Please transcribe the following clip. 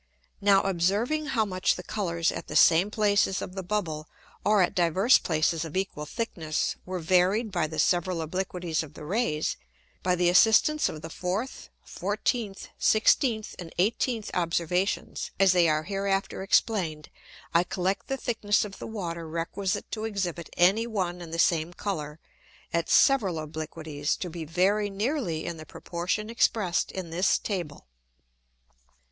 Now observing how much the Colours at the same places of the Bubble, or at divers places of equal thickness, were varied by the several Obliquities of the Rays; by the assistance of the 4th, 14th, 16th and 18th Observations, as they are hereafter explain'd, I collect the thickness of the Water requisite to exhibit any one and the same Colour, at several Obliquities, to be very nearly in the Proportion expressed in this Table.